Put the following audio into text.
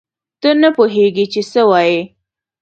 ته نه پوهېږې چې څه وایې.